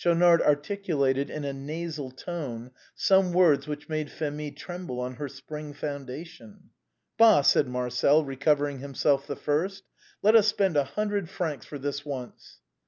129 Schaunard articulated, in a nasal tone, some words which made Phémie tremble on her spring foundation. " Bah !" said Marcel, recovering himself the first ;" let us spend a hundred thousand francs for this once